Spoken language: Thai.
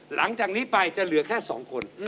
หลังจากนี้ไปจะเหลือแค่๒คน